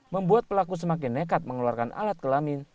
membuat pelaku semakin nekat mengeluarkan alat kelamin